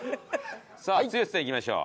さあ剛さんいきましょう。